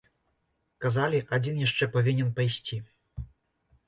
Казалі, адзін яшчэ павінен пайсці.